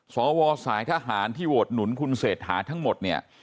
สวสาธิทหารที่ถูกโงนคุณเศษฐาทั้งหมด